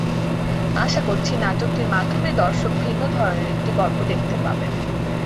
আশা করছি, নাটকটির মাধ্যমে দর্শক ভিন্ন ধরনের একটি গল্প দেখতে পাবেন।